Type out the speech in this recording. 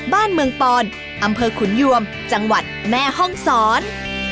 บ้านเมืองปอนอำเภอขุนยวมจังหวัดแม่ห้องศร